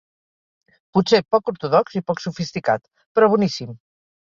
Potser poc ortodox i poc sofisticat, però boníssim.